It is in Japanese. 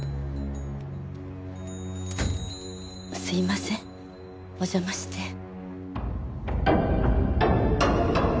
すいませんお邪魔して。